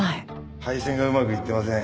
配線がうまくいってません。